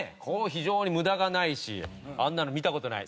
非常に無駄がないしあんなの見た事ない。